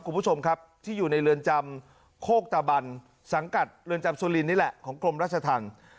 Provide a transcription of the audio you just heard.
คุณผู้ชมครับที่อยู่ในเรือนจำโคกตะบันสังกัดเรือนจำสุลินนี่แหละของกรมราชธรรม